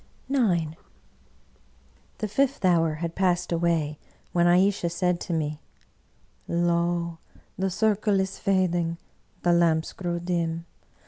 IX The fifth hour had passed away, when Ayesha said to jtne, " Lo! the circle is fading; the lamps grow dim.